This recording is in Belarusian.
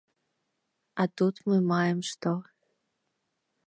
А тут мы маем што?